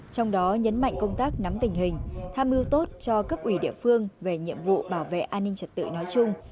trong đó nhấn mạnh công tác nắm tình hình tham mưu tốt cho cấp ủy địa phương về nhiệm vụ bảo vệ an ninh trật tự nói chung